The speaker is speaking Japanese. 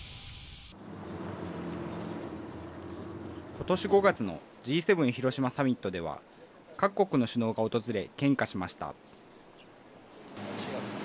ことし５月のＧ７広島サミットでは、各国の首脳が訪れ献花しました。